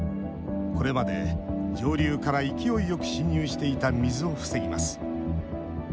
これまで上流から勢いよく侵入していた水を防ぎます。